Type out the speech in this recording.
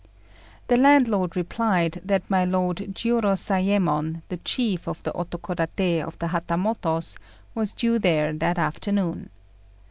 The landlord replied that my Lord Jiurozayémon, the chief of the Otokodaté of the Hatamotos, was due there that afternoon.